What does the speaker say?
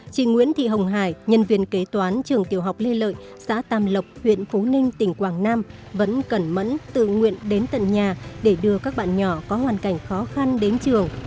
chị nguyễn thị hồng hải nhân viên kế toán trường tiểu học lê lợi xã tàm lộc huyện phú ninh tỉnh quảng nam vẫn cẩn mẫn tự nguyện đến tận nhà để đưa các bạn nhỏ có hoàn cảnh khó khăn đến trường